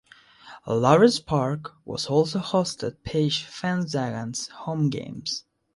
Lawrence Park was also hosted Page Fence Giants home games.